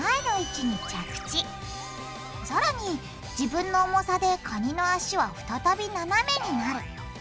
さらに自分の重さでカニの脚は再びななめになる。